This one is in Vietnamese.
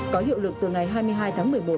có hiệu lực từ ngày hai mươi hai tháng một mươi một